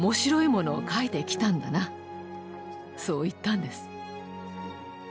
そう言ったんです。